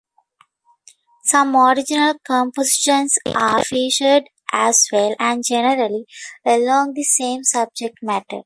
Some original compositions are featured as well, and generally along the same subject matter.